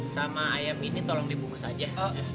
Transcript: sama ayam ini tolong dibungkus aja